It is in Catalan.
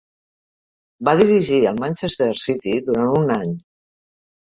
Va dirigir el Manchester City durant un any.